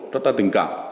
rất là tình cảm